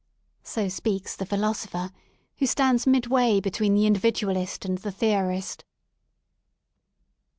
So speaks the Philosopher, who stands midway between the Individualist and the Theorist.